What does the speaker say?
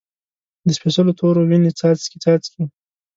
د سپیڅلو تورو، وینې څاڅکي، څاڅکي